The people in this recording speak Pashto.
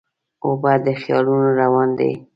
اوبه د خیالونو روان دي.